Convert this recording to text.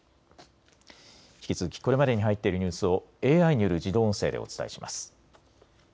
引き続きこれまでに入っているニュースをＡＩによる自動音声でお伝えします。